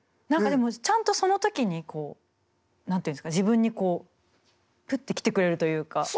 何かでもちゃんとその時にこう何て言うんですか自分にこうプッて来てくれるというか。